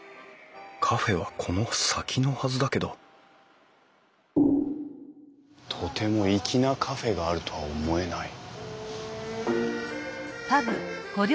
カフェはこの先のはずだけどとても粋なカフェがあるとは思えない。